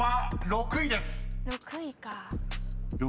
６位か。